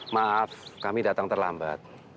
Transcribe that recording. maaf kami datang terlambat